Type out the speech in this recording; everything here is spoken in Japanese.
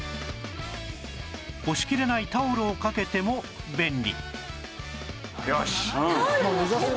干しきれないタオルを掛けても便利よしっ！